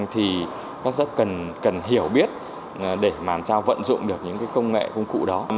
thì rất rất cần hiểu biết để mà làm sao vận dụng được những cái công nghệ công cụ đó